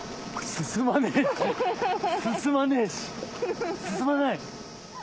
進まない。